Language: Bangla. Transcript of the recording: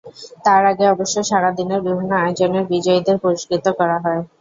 তার আগে অবশ্য সারা দিনের বিভিন্ন আয়োজনের বিজয়ীদের পুরস্কৃত করা হয়।